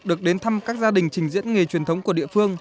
được đến thăm các gia đình trình diễn nghề truyền thống của địa phương